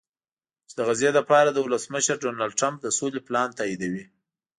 چې د غزې لپاره د ولسمشر ډونالډټرمپ د سولې پلان تاییدوي